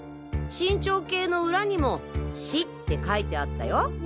身長計の裏にも「し」って書いてあったよ。